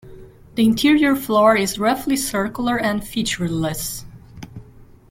The interior floor is roughly circular and featureless.